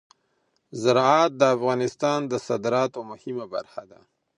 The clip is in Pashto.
زراعت د افغانستان د صادراتو مهمه برخه ده.